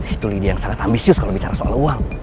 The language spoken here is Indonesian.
itu ide yang sangat ambisius kalau bicara soal uang